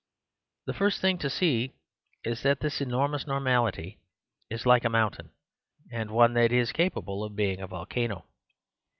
The first thing to see is that this enormous normality is like a mountain ; and one that is capable of being a volcano.